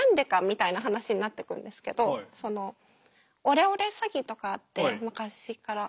みたいな話になってくるんですけどそのオレオレ詐欺とかって昔から。